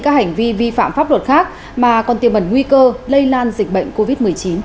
các hành vi vi phạm pháp luật khác mà còn tiêm ẩn nguy cơ lây lan dịch bệnh covid một mươi chín